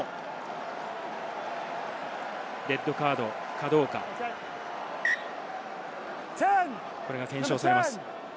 レッドカードかどうか、これが検証されます。